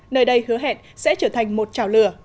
nơi đây hứa hẹn sẽ trở thành một trào lửa